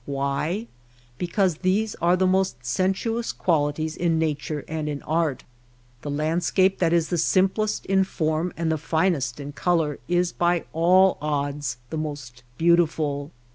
Why ? Because these are the most sensuous qualities in nature and in art. The landscape that is the simplest in form and the finest in color is by all odds the most beautiful.